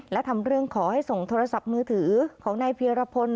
และทำเรื่องขอให้ส่งโทรศัพท์มือถือของนายเพียรพล